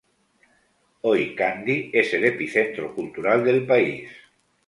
Hoy Kandy es el epicentro cultural del país.